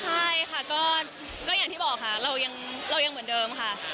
ใช่ค่ะก็อย่างที่บอกค่ะเรายังเหมือนเดิมค่ะ